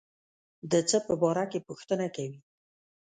د څه په باره کې پوښتنه کوي.